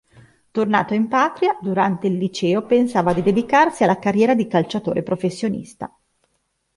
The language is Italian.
Tornato in patria, durante il liceo pensava di dedicarsi alla carriera di calciatore professionista.